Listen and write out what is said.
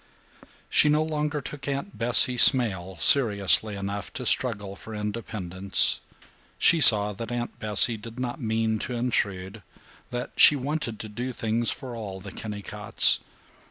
She no longer took Aunt Bessie Smail seriously enough to struggle for independence. She saw that Aunt Bessie did not mean to intrude; that she wanted to do things for all the Kennicotts.